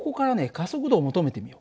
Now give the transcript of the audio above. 加速度を求めてみよう。